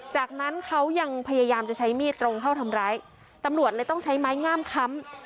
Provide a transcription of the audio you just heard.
จากนั้นเขายังพยายามจะใช้มีดตรงเข้าทำร้ายตำรวจเลยต้องใช้ไม้งามค้ำ